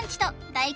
大吉！